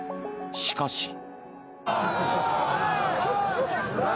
しかし。